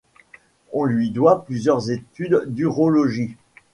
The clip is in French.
On lui doit plusieurs études d'urologie.